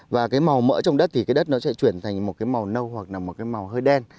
và cái màu mỡ trong đất thì cái đất nó sẽ chuyển thành một cái màu nâu hoặc là một cái màu hơi đen